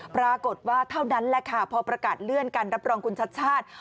ปรากฏว่าเท่านั้นแหละค่ะพอประกาศเลื่อนการรับรองคุณชัดชาติ